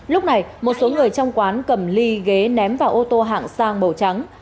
lúc này một số người trong quán cầm ly ghế ném vào ô tô hạng sang màu trắng